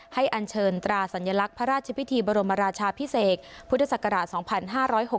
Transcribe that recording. อันเชิญตราสัญลักษณ์พระราชพิธีบรมราชาพิเศษพุทธศักราช๒๕๖๖